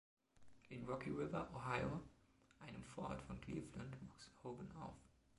In Rocky River, Ohio, einem Vorort von Cleveland, wuchs Hovan auf.